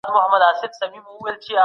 هغوی د خپلي کورنۍ وقار تل لوړ ساتلی دی.